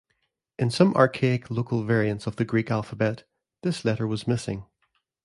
In some archaic local variants of the Greek alphabet, this letter was missing.